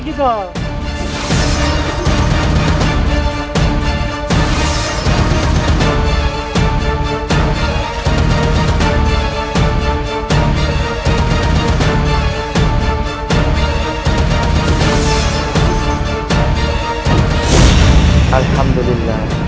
tidak ada apa apa